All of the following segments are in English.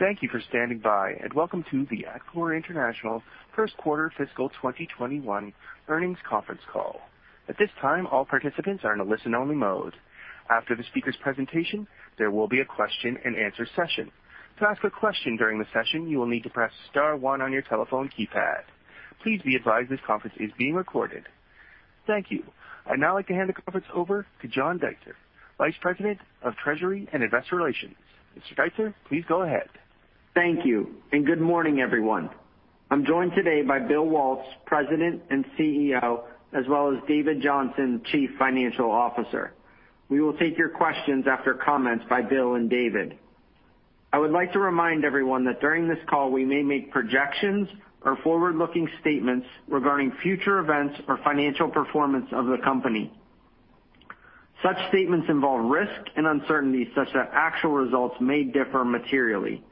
Thank you for standing by, welcome to the Atkore International first quarter fiscal 2021 earnings conference call. At this time, all participants are in a listen-only mode. After the speaker's presentation, there will be a question-and-answer session. To ask a question during the session, you will need to press star one on your telephone keypad. Please be advised this conference is being recorded. Thank you. I'd now like to hand the conference over to John Deitzer, Vice President of Treasury and Investor Relations. Mr. Deitzer, please go ahead. Thank you. Good morning, everyone. I'm joined today by Bill Waltz, President and CEO, as well as David Johnson, Chief Financial Officer. We will take your questions after comments by Bill and David. I would like to remind everyone that during this call, we may make projections or forward-looking statements regarding future events or financial performance of the company. Such statements involve risk and uncertainty such that actual results may differ materially.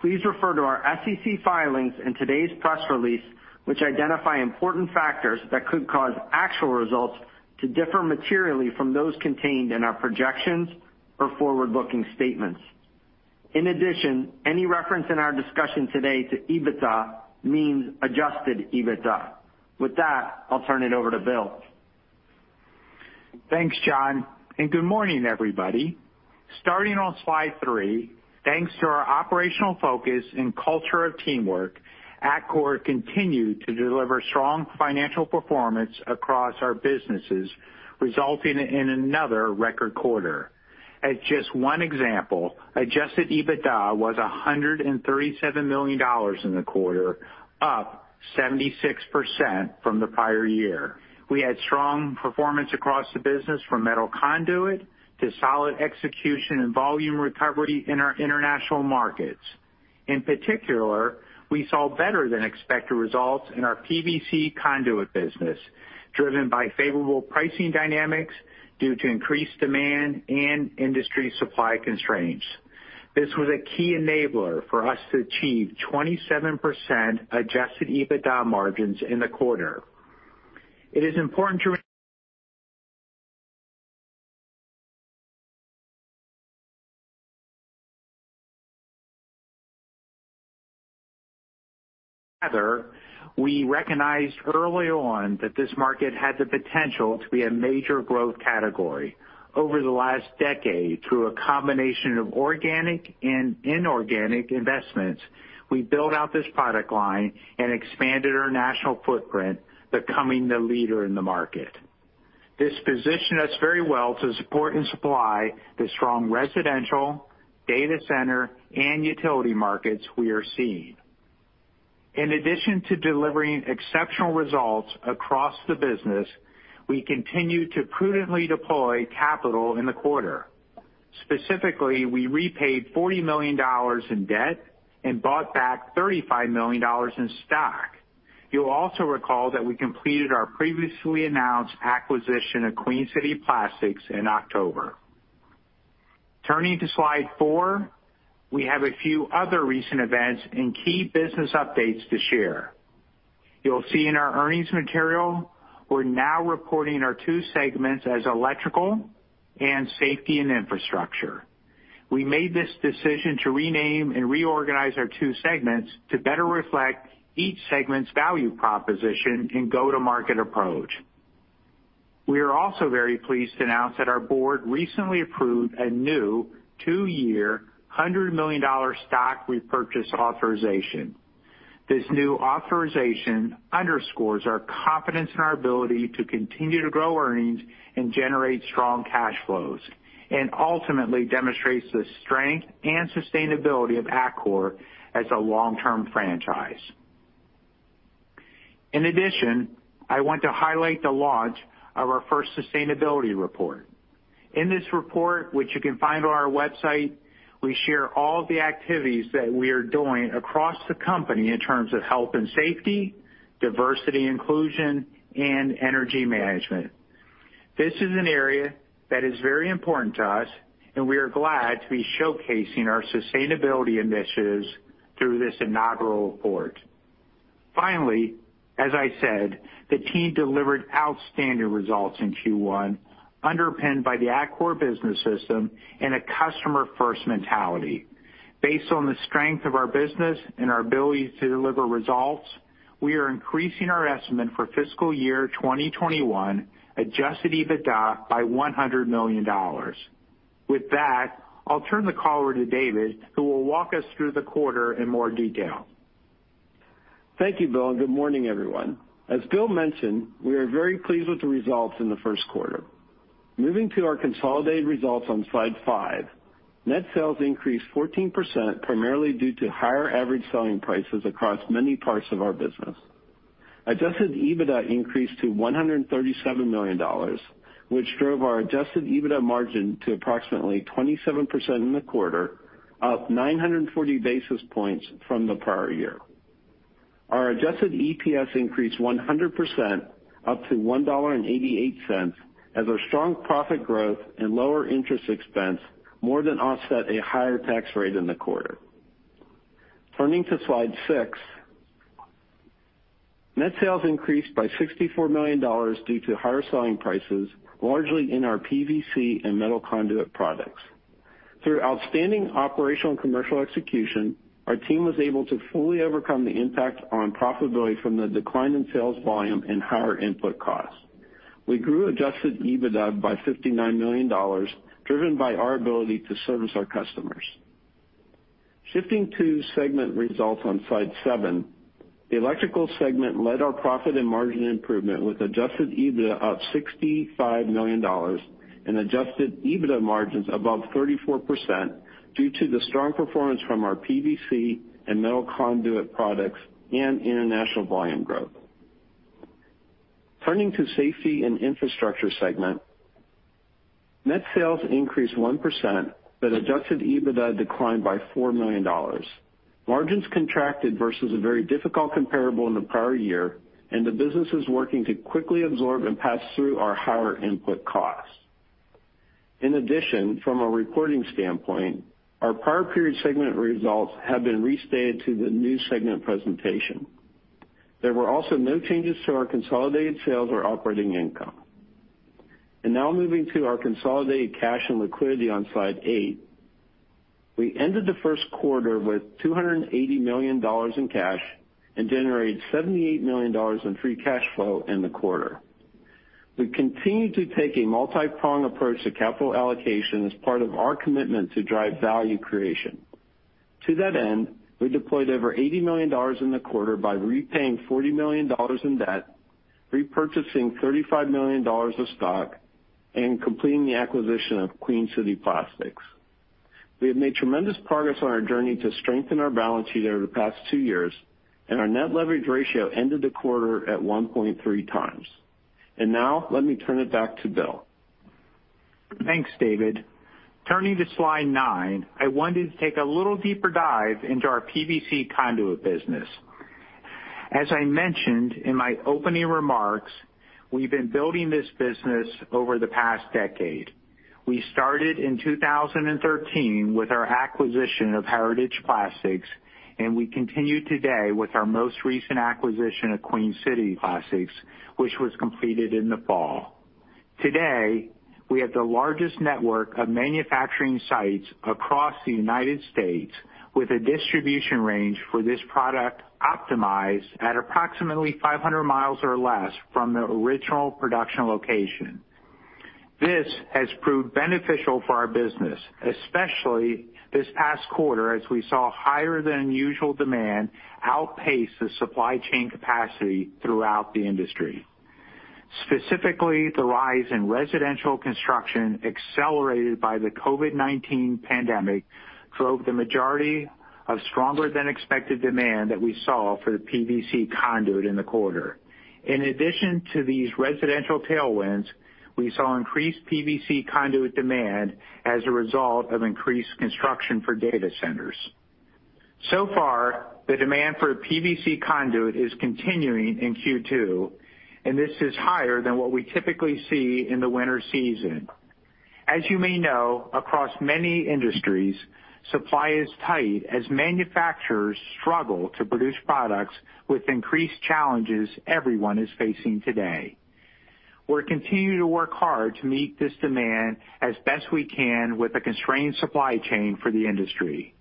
Please refer to our SEC filings and today's press release, which identify important factors that could cause actual results to differ materially from those contained in our projections or forward-looking statements. In addition, any reference in our discussion today to EBITDA means adjusted EBITDA. With that, I'll turn it over to Bill. Thanks, John. Good morning, everybody. Starting on slide three, thanks to our operational focus and culture of teamwork, Atkore continued to deliver strong financial performance across our businesses, resulting in another record quarter. As just one example, adjusted EBITDA was $137 million in the quarter, up 76% from the prior year. We had strong performance across the business from metal conduit to solid execution and volume recovery in our international markets. In particular, we saw better than expected results in our PVC conduit business, driven by favorable pricing dynamics due to increased demand and industry supply constraints. This was a key enabler for us to achieve 27% adjusted EBITDA margins in the quarter. It is important to remember. We recognized early on that this market had the potential to be a major growth category. Over the last decade, through a combination of organic and inorganic investments, we built out this product line and expanded our national footprint, becoming the leader in the market. This positioned us very well to support and supply the strong residential, data center, and utility markets we are seeing. In addition to delivering exceptional results across the business, we continued to prudently deploy capital in the quarter. Specifically, we repaid $40 million in debt and bought back $35 million in stock. You'll also recall that we completed our previously announced acquisition of Queen City Plastics in October. Turning to slide four, we have a few other recent events and key business updates to share. You'll see in our earnings material, we're now reporting our two segments as Electrical and Safety & Infrastructure. We made this decision to rename and reorganize our two segments to better reflect each segment's value proposition and go-to-market approach. We are also very pleased to announce that our board recently approved a new two-year, $100 million stock repurchase authorization. This new authorization underscores our confidence in our ability to continue to grow earnings and generate strong cash flows, and ultimately demonstrates the strength and sustainability of Atkore as a long-term franchise. I want to highlight the launch of our first sustainability report. In this report, which you can find on our website, we share all the activities that we are doing across the company in terms of health and safety, diversity inclusion, and energy management. This is an area that is very important to us, and we are glad to be showcasing our sustainability initiatives through this inaugural report. Finally, as I said, the team delivered outstanding results in Q1, underpinned by the Atkore Business System and a customer-first mentality. Based on the strength of our business and our ability to deliver results, we are increasing our estimate for fiscal year 2021 adjusted EBITDA by $100 million. With that, I'll turn the call over to David, who will walk us through the quarter in more detail. Thank you, Bill, and good morning, everyone. As Bill mentioned, we are very pleased with the results in the first quarter. Moving to our consolidated results on slide six. Net sales increased 14%, primarily due to higher average selling prices across many parts of our business. Adjusted EBITDA increased to $137 million, which drove our adjusted EBITDA margin to approximately 27% in the quarter, up 940 basis points from the prior year. Our adjusted EPS increased 100%, up to $1.88, as our strong profit growth and lower interest expense more than offset a higher tax rate in the quarter. Turning to slide six. Net sales increased by $64 million due to higher selling prices, largely in our PVC and metal conduit products. Through outstanding operational and commercial execution, our team was able to fully overcome the impact on profitability from the decline in sales volume and higher input costs. We grew adjusted EBITDA by $59 million, driven by our ability to service our customers. Shifting to segment results on slide seven, the Electrical segment led our profit and margin improvement with adjusted EBITDA of $65 million and adjusted EBITDA margins above 34% due to the strong performance from our PVC and metal conduit products and international volume growth. Turning to Safety & Infrastructure segment, net sales increased 1%, adjusted EBITDA declined by $4 million. Margins contracted versus a very difficult comparable in the prior year, the business is working to quickly absorb and pass through our higher input costs. In addition, from a reporting standpoint, our prior period segment results have been restated to the new segment presentation. There were also no changes to our consolidated sales or operating income. Now moving to our consolidated cash and liquidity on slide eight. We ended the first quarter with $280 million in cash and generated $78 million in free cash flow in the quarter. We continue to take a multi-pronged approach to capital allocation as part of our commitment to drive value creation. To that end, we deployed over $80 million in the quarter by repaying $440 million in debt, repurchasing $35 million of stock, and completing the acquisition of Queen City Plastics. We have made tremendous progress on our journey to strengthen our balance sheet over the past two years, and our net leverage ratio ended the quarter at 1.3x. Now let me turn it back to Bill. Thanks, David. Turning to slide nine, I wanted to take a little deeper dive into our PVC conduit business. As I mentioned in my opening remarks, we've been building this business over the past decade. We started in 2013 with our acquisition of Heritage Plastics. We continue today with our most recent acquisition of Queen City Plastics, which was completed in the fall. Today, we have the largest network of manufacturing sites across the U.S. with a distribution range for this product optimized at approximately 500 miles or less from the original production location. This has proved beneficial for our business, especially this past quarter as we saw higher than usual demand outpace the supply chain capacity throughout the industry. Specifically, the rise in residential construction accelerated by the COVID-19 pandemic drove the majority of stronger than expected demand that we saw for the PVC conduit in the quarter. In addition to these residential tailwinds, we saw increased PVC conduit demand as a result of increased construction for data centers. So far, the demand for PVC conduit is continuing in Q2, and this is higher than what we typically see in the winter season. As you may know, across many industries, supply is tight as manufacturers struggle to produce products with increased challenges everyone is facing today. We're continuing to work hard to meet this demand as best we can with a constrained supply chain for the industry.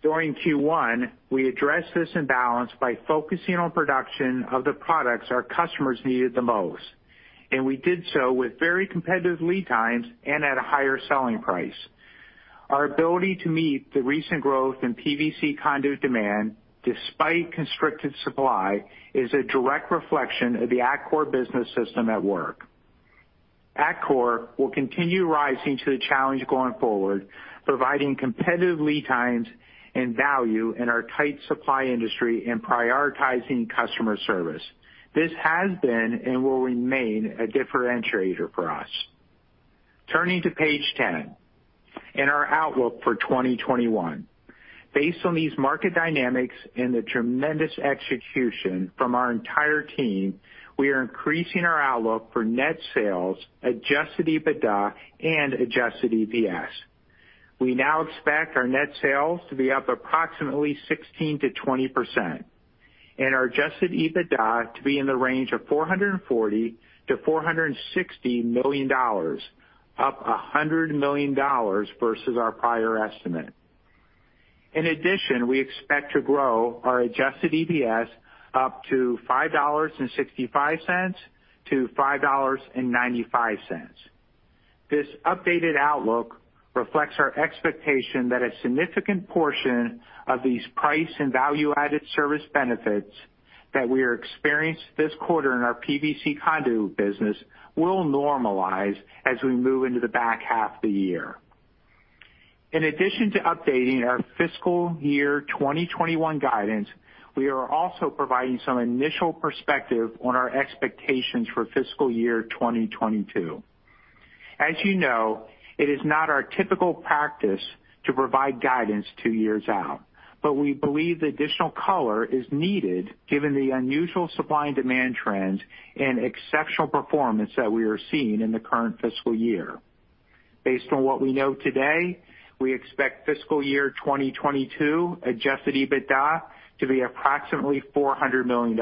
During Q1, we addressed this imbalance by focusing on production of the products our customers needed the most, and we did so with very competitive lead times and at a higher selling price. Our ability to meet the recent growth in PVC conduit demand, despite constricted supply, is a direct reflection of the Atkore Business System at work. Atkore will continue rising to the challenge going forward, providing competitive lead times and value in our tight supply industry and prioritizing customer service. This has been and will remain a differentiator for us. Turning to page 10 and our outlook for 2021. Based on these market dynamics and the tremendous execution from our entire team, we are increasing our outlook for net sales, adjusted EBITDA and adjusted EPS. We now expect our net sales to be up approximately 16%-20% and our adjusted EBITDA to be in the range of $440 million-$460 million, up $100 million versus our prior estimate. In addition, we expect to grow our adjusted EPS up to $5.65-$5.95. This updated outlook reflects our expectation that a significant portion of these price and value-added service benefits that we are experienced this quarter in our PVC conduit business will normalize as we move into the back half of the year. In addition to updating our fiscal year 2021 guidance, we are also providing some initial perspective on our expectations for fiscal year 2022. As you know, it is not our typical practice to provide guidance two years out, but we believe the additional color is needed given the unusual supply and demand trends and exceptional performance that we are seeing in the current fiscal year. Based on what we know today, we expect fiscal year 2022 adjusted EBITDA to be approximately $400 million.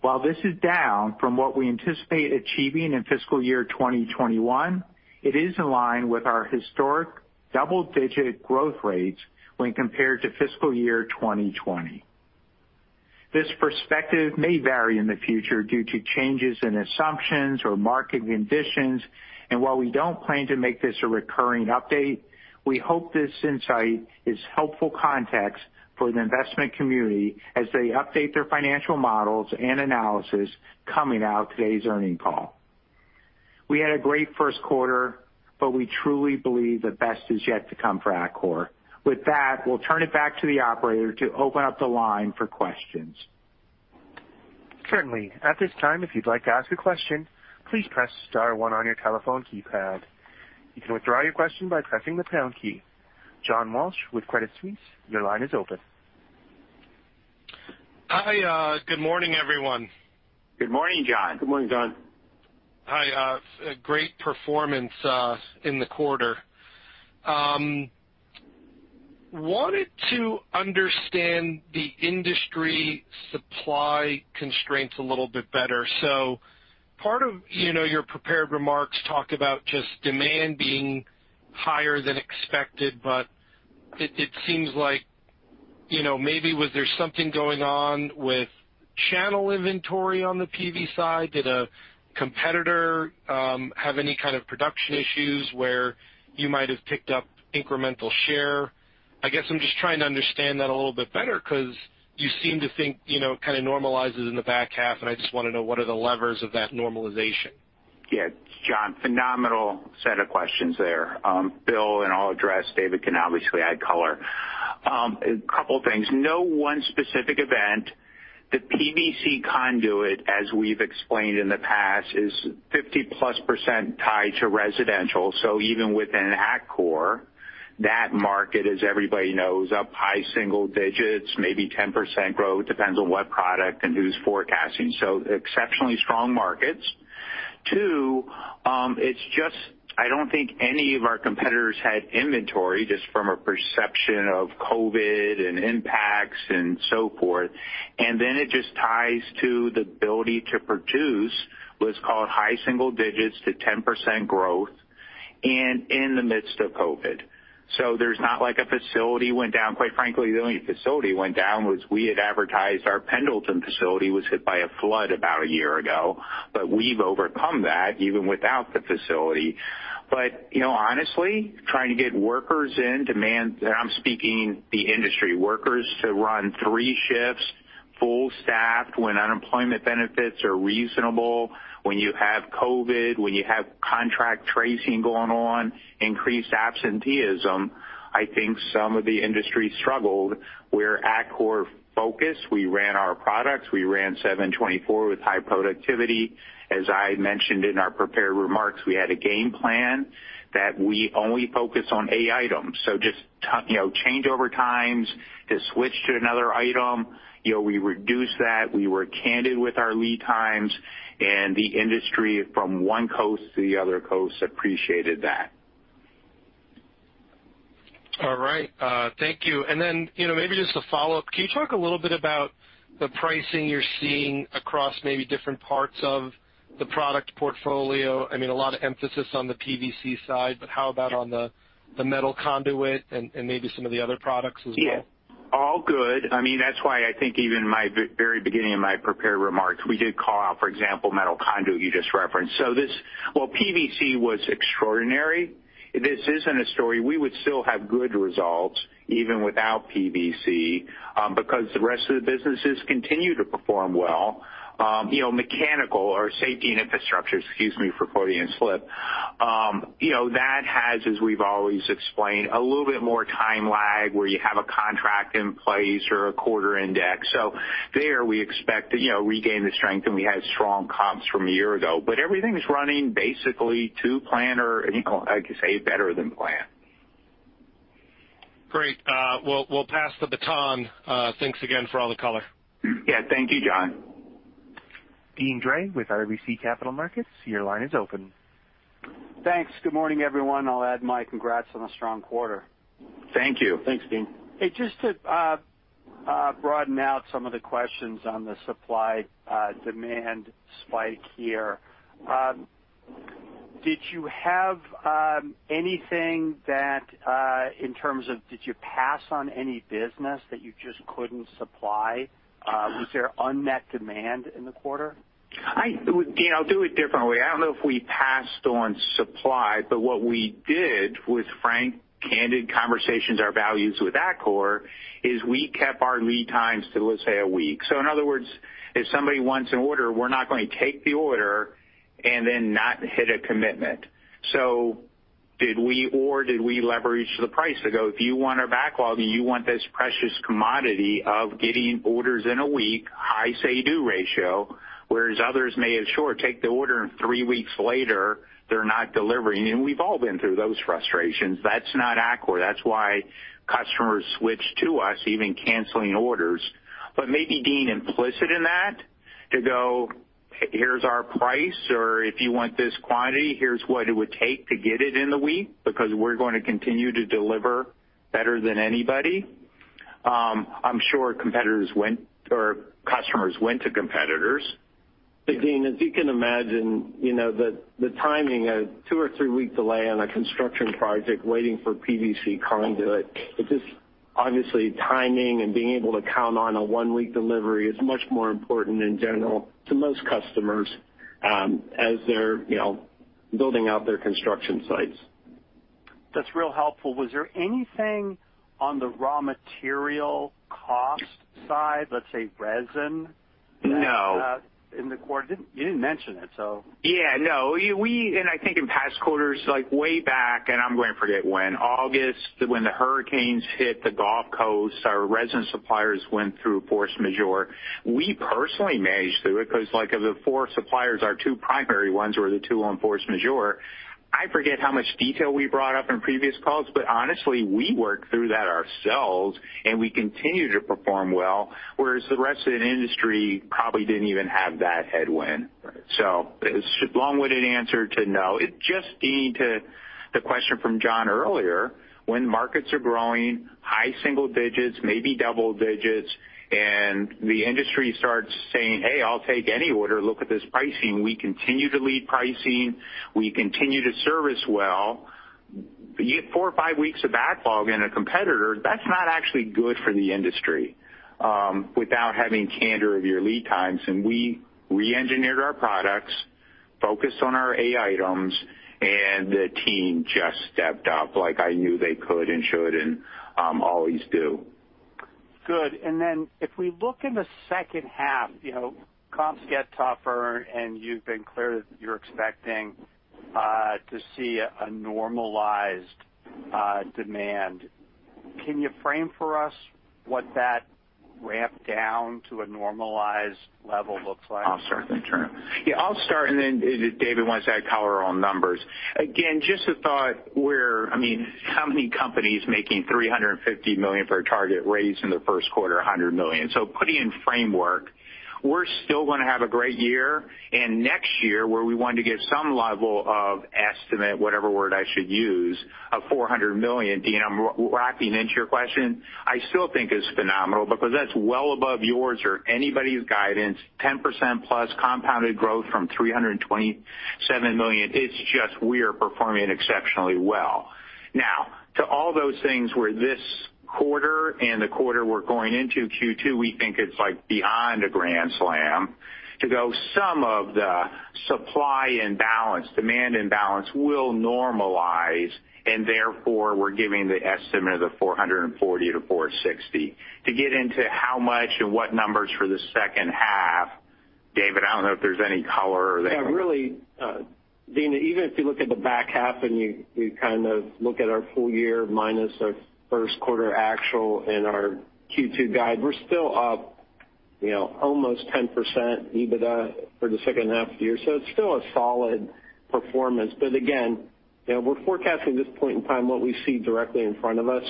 While this is down from what we anticipate achieving in fiscal year 2021, it is in line with our historic double-digit growth rates when compared to fiscal year 2020. This perspective may vary in the future due to changes in assumptions or market conditions. While we don't plan to make this a recurring update, we hope this insight is helpful context for the investment community as they update their financial models and analysis coming out today's earnings call. We had a great first quarter, but we truly believe the best is yet to come for Atkore. With that, we'll turn it back to the operator to open up the line for questions. Certainly. At this time, if you'd like to ask a question, please press star one on your telephone keypad. You can withdraw your question by pressing the pound key. John Walsh with Credit Suisse, your line is open. Hi. Good morning, everyone. Good morning, John. Good morning, John. Hi. Great performance in the quarter. Wanted to understand the industry supply constraints a little bit better. Part of your prepared remarks talked about just demand being higher than expected, but it seems like maybe was there something going on with channel inventory on the PV side? Did a competitor have any kind of production issues where you might have picked up incremental share? I guess I'm just trying to understand that a little bit better because you seem to think it kind of normalizes in the back half, and I just want to know, what are the levers of that normalization? John, phenomenal set of questions there. Bill and I'll address, David can obviously add color. A couple of things. No one specific event. The PVC conduit, as we've explained in the past, is 50%+ tied to residential. Even within Atkore, that market, as everybody knows, up high single digits, maybe 10% growth, depends on what product and who's forecasting. Exceptionally strong markets. Two, it's just I don't think any of our competitors had inventory just from a perception of COVID and impacts and so forth. It just ties to the ability to produce what's called high single digits to 10% growth and in the midst of COVID. There's not like a facility went down. Quite frankly, the only facility went down was we had advertised our Pendleton facility was hit by a flood about a year ago, but we've overcome that even without the facility. Honestly, trying to get workers in, and I'm speaking the industry, workers to run three shifts, full staffed when unemployment benefits are reasonable, when you have COVID-19, when you have contract tracing going on, increased absenteeism. I think some of the industry struggled. Where Atkore focused, we ran our products. We ran 7/24 with high productivity. As I mentioned in our prepared remarks, we had a game plan that we only focus on A items. Just changeover times to switch to another item, we reduced that. We were candid with our lead times, and the industry from one coast to the other coast appreciated that. All right. Thank you. Maybe just a follow-up. Can you talk a little bit about the pricing you're seeing across maybe different parts of the product portfolio? A lot of emphasis on the PVC side, but how about on the metal conduit and maybe some of the other products as well? All good. That's why I think even my very beginning of my prepared remarks, we did call out, for example, metal conduit you just referenced. While PVC was extraordinary, this isn't a story. We would still have good results even without PVC, because the rest of the businesses continue to perform well. Mechanical or Safety & Infrastructure, excuse me for Freudian slip. That has, as we've always explained, a little bit more time lag where you have a contract in place or a quarter index. There we expect to regain the strength, and we had strong comps from a year ago. Everything's running basically to plan or, I could say, better than plan. Great. We'll pass the baton. Thanks again for all the color. Yeah. Thank you, John. Deane Dray with RBC Capital Markets, your line is open. Thanks. Good morning, everyone. I'll add my congrats on a strong quarter. Thank you. Thanks, Dean. Hey, just to broaden out some of the questions on the supply-demand spike here. Did you have anything that in terms of did you pass on any business that you just couldn't supply? Was there unmet demand in the quarter? Deane, I'll do it differently. I don't know if we passed on supply, but what we did was frank, candid conversations, our values with Atkore, is we kept our lead times to, let's say, a week. In other words, if somebody wants an order, we're not going to take the order and then not hit a commitment. Did we leverage the price to go, "If you want our backlog and you want this precious commodity of getting orders in a week, high say-do ratio," whereas others may have sure, take the order and three weeks later, they're not delivering. We've all been through those frustrations. That's not Atkore. That's why customers switch to us, even canceling orders. Maybe, Deane, implicit in that to go, "Here's our price," or, "If you want this quantity, here's what it would take to get it in a week, because we're going to continue to deliver better than anybody." I'm sure customers went to competitors. Dean, as you can imagine, the timing, a two or three-week delay on a construction project waiting for PVC conduit, it is obviously timing and being able to count on a one-week delivery is much more important in general to most customers as they're building out their construction sites. That's real helpful. Was there anything on the raw material cost side, let's say resin-? No. in the quarter? You didn't mention it. Yeah, no. I think in past quarters, way back, and I'm going to forget when, August, when the hurricanes hit the Gulf Coast, our resin suppliers went through force majeure. We personally managed through it because of the four suppliers, our two primary ones were the two on force majeure. I forget how much detail we brought up in previous calls, but honestly, we worked through that ourselves, and we continued to perform well, whereas the rest of the industry probably didn't even have that headwind. Right. Long-winded answer to no. It just, Dean, to the question from John earlier, when markets are growing high single digits, maybe double digits, and the industry starts saying, "Hey, I'll take any order. Look at this pricing." We continue to lead pricing. We continue to service well. Four or five weeks of backlog in a competitor, that's not actually good for the industry without having candor of your lead times. We re-engineered our products, focused on our A items, and the team just stepped up like I knew they could and should and always do. Good. If we look in the second half, comps get tougher and you've been clear that you're expecting to see a normalized demand. Can you frame for us what that ramp down to a normalized level looks like? Yeah, I'll start, and then if David wants to add color on numbers. Again, just a thought. How many companies making $350 million for a target raised in their first quarter, $100 million? Putting in framework, we're still going to have a great year. Next year, where we wanted to give some level of estimate, whatever word I should use, of $400 million. Deane, I'm locking into your question. I still think it's phenomenal because that's well above yours or anybody's guidance, 10%+ compounded growth from $327 million. It's just we are performing exceptionally well. To all those things where this quarter and the quarter we're going into Q2, we think it's beyond a grand slam. To go some of the supply imbalance, demand imbalance will normalize, therefore we're giving the estimate of the $440 million-$460 million. To get into how much and what numbers for the second half, David, I don't know if there's any color there. Yeah, really, Deane, even if you look at the back half and you look at our full year minus our first quarter actual and our Q2 guide, we're still up almost 10% EBITDA for the second half of the year. It's still a solid performance. Again, we're forecasting this point in time what we see directly in front of us,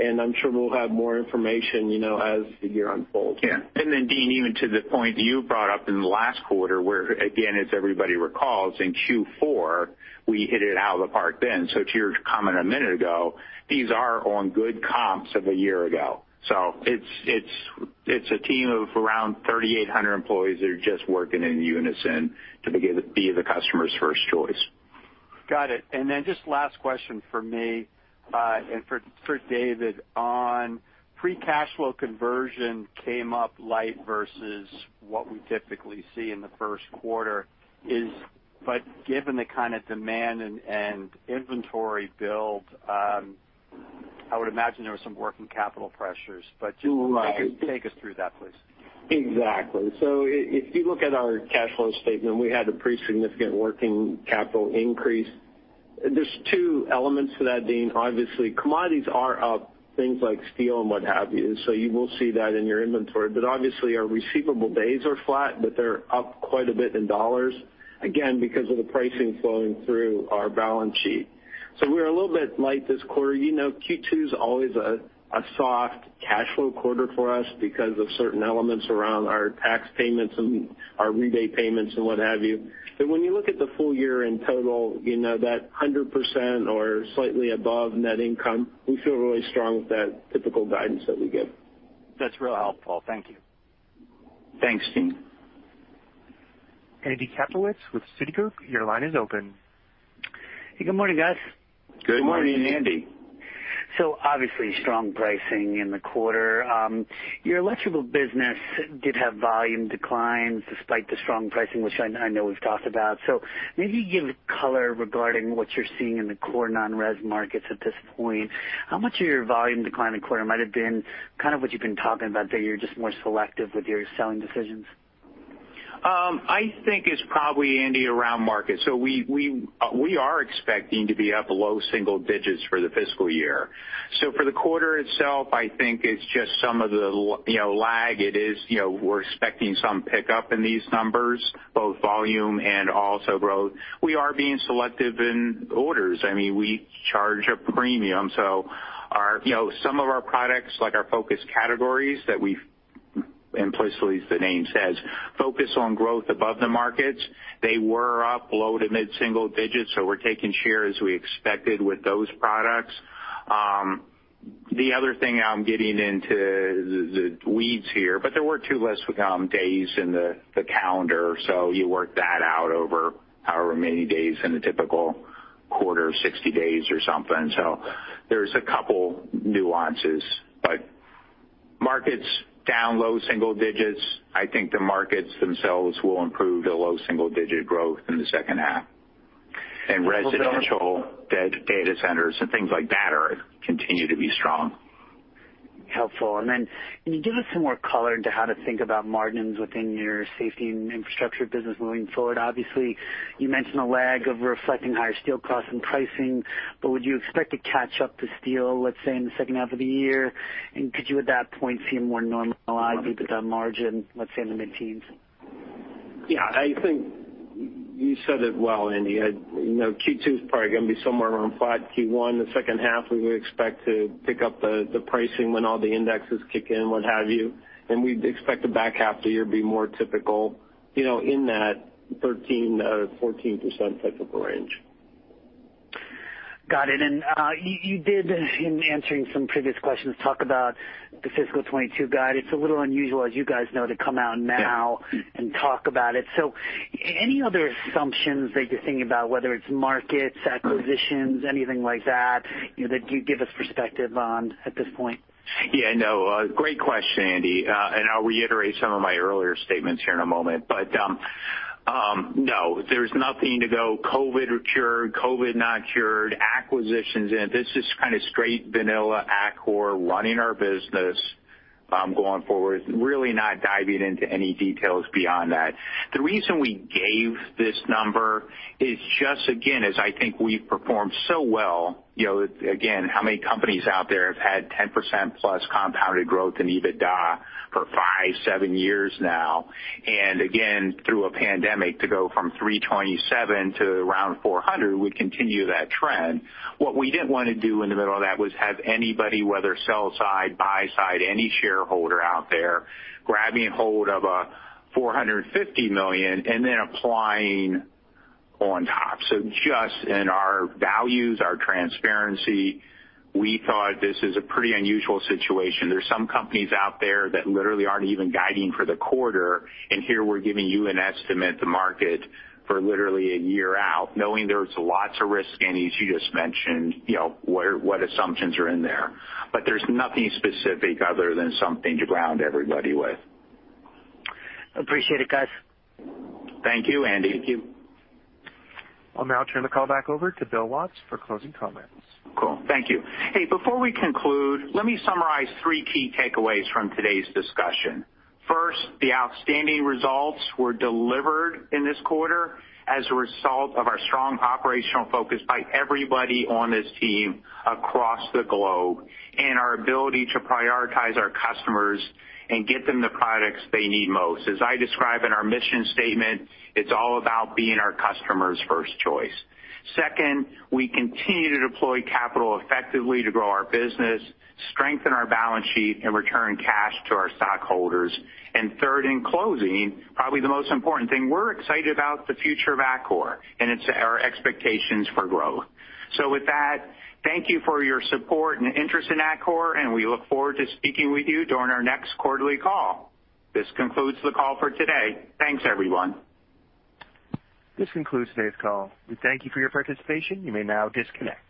and I'm sure we'll have more information as the year unfolds. Yeah. Deane, even to the point you brought up in the last quarter where, again, as everybody recalls, in Q4, we hit it out of the park then. To your comment a minute ago, these are on good comps of a year ago. It's a team of around 3,800 employees that are just working in unison to be the customer's first choice. Got it. Then just last question from me and for David on free cash flow conversion came up light versus what we typically see in the first quarter is, given the kind of demand and inventory build, I would imagine there was some working capital pressures. Just take us through that, please. Exactly. If you look at our cash flow statement, we had a pretty significant working capital increase. There's two elements to that, Deane. Obviously, commodities are up, things like steel and what have you. You will see that in your inventory. Obviously, our receivable days are flat, but they're up quite a bit in dollars, again, because of the pricing flowing through our balance sheet. We're a little bit light this quarter. Q2 is always a soft cash flow quarter for us because of certain elements around our tax payments and our rebate payments and what have you. When you look at the full year in total, that 100% or slightly above net income, we feel really strong with that typical guidance that we give. That's real helpful. Thank you. Thanks, Dean. Andy Kaplowitz with Citigroup, your line is open. Hey, good morning, guys. Good morning. Good morning, Andy. Obviously, strong pricing in the quarter. Your Electrical business did have volume declines despite the strong pricing, which I know we've talked about. Maybe give color regarding what you're seeing in the core non-res markets at this point. How much of your volume decline in quarter might have been kind of what you've been talking about that you're just more selective with your selling decisions? I think it's probably, Andy, around market. We are expecting to be up low single digits for the fiscal year. For the quarter itself, I think it's just some of the lag. We're expecting some pickup in these numbers, both volume and also growth. We are being selective in orders. We charge a premium. Some of our products, like our focus categories that we've implicitly, as the name says, focus on growth above the markets. They were up low to mid-single digits, we're taking share as we expected with those products. The other thing, I'm getting into the weeds here, there were two less days in the calendar, you work that out over however many days in a typical quarter, 60 days or something. There's a couple nuances. Markets down low single digits. I think the markets themselves will improve to low single-digit growth in the second half. Residential data centers and things like that are continuing to be strong. Helpful. Then can you give us some more color into how to think about margins within your Safety & Infrastructure business moving forward? Obviously, you mentioned a lag of reflecting higher steel costs and pricing, would you expect to catch up to steel, let's say, in the second half of the year? Could you, at that point, seem more normalized with that margin, let's say in the mid-teens? Yeah, I think you said it well, Andy. Q2 is probably going to be somewhere around flat. Q1, the second half, we would expect to pick up the pricing when all the indexes kick in, what have you. We'd expect the back half of the year to be more typical in that 13%-14% type of range. Got it. You did, in answering some previous questions, talk about the fiscal 2022 guide. It's a little unusual, as you guys know, to come out now and talk about it. Any other assumptions that you're thinking about, whether it's markets, acquisitions, anything like that you'd give us perspective on at this point? Yeah, no. Great question, Andy, and I'll reiterate some of my earlier statements here in a moment. No, there's nothing to go COVID cured, COVID not cured, acquisitions in. This is kind of straight vanilla Atkore running our business going forward. Really not diving into any details beyond that. The reason we gave this number is just, again, is I think we've performed so well. Again, how many companies out there have had 10%+ compounded growth in EBITDA for five, seven years now? Through a pandemic, to go from 327 to around 400 would continue that trend. What we didn't want to do in the middle of that was have anybody, whether sell side, buy side, any shareholder out there grabbing hold of a $450 million and then applying on top. Just in our values, our transparency, we thought this is a pretty unusual situation. There are some companies out there that literally aren't even guiding for the quarter, and here we're giving you an estimate to market for literally a year out, knowing there's lots of risk, Andy, as you just mentioned, what assumptions are in there. There's nothing specific other than something to ground everybody with. Appreciate it, guys. Thank you, Andy. Thank you. I'll now turn the call back over to Bill Waltz for closing comments. Cool. Thank you. Hey, before we conclude, let me summarize three key takeaways from today's discussion. The outstanding results were delivered in this quarter as a result of our strong operational focus by everybody on this team across the globe, and our ability to prioritize our customers and get them the products they need most. As I describe in our mission statement, it's all about being our customers' first choice. We continue to deploy capital effectively to grow our business, strengthen our balance sheet, and return cash to our stockholders. Third, in closing, probably the most important thing, we're excited about the future of Atkore and our expectations for growth. With that, thank you for your support and interest in Atkore, and we look forward to speaking with you during our next quarterly call. This concludes the call for today. Thanks, everyone. This concludes today's call. We thank you for your participation. You may now disconnect.